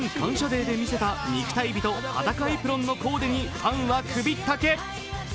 デーで見せた肉体美と裸エプロンのコーデにファンは首ったけ。